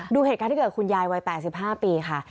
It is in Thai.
ดูเหตุการณ์ที่เกิดคุณยายวัย๘๕ปีค่ะ